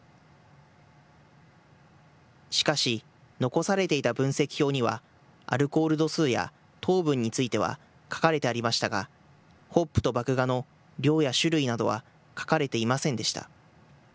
しかし、残されていた分析表には、アルコール度数や糖分については書かれてありましたが、ホップと麦芽の量や種類などは書かれていませんでした。